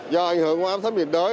do ảnh hưởng của áp thấp nhiệt đới